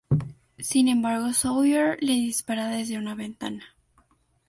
Sin embargo, Sawyer le dispara desde una ventana.